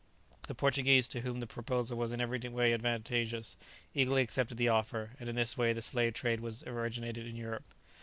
The Portuguese, to whom the proposal was in every way advantageous, eagerly accepted the offer; and in this way the slave trade was originated in Europe.